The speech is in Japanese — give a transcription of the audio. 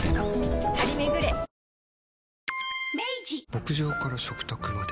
牧場から食卓まで。